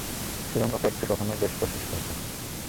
সুড়ঙ্গ পথটি কখনো বেশ প্রশস্ত হত।